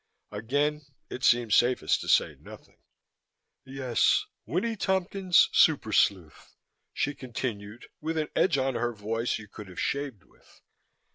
Again it seemed safest to say nothing. "Yes, Winnie Tompkins, super sleuth!" she continued with an edge on her voice you could have shaved with.